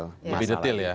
lebih detail ya